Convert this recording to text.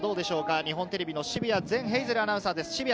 日本テレビの澁谷善ヘイゼルアナウンサーです。